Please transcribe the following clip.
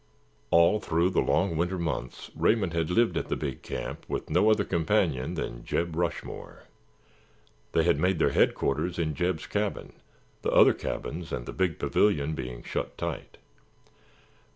All through the long winter months Raymond had lived at the big camp with no other companion than Jeb Rushmore. They had made their headquarters in Jeb's cabin, the other cabins and the big pavilion being shut tight.